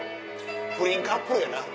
不倫カップルやな。